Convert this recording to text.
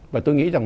và tôi nghĩ rằng